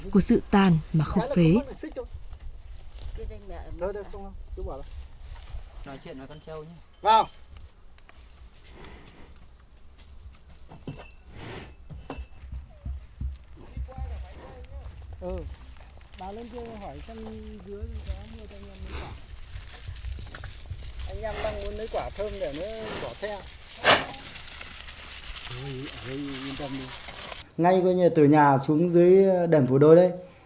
của sự tan mà không phế